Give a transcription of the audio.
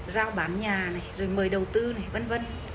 giao bán nhà này rồi mời đầu tư này v v